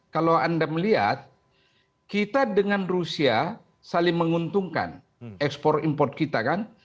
kalau anda melihat kita dengan rusia saling menguntungkan ekspor import kita kan